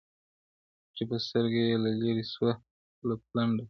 چي په سترګه یې له لیري سوله پلنډه -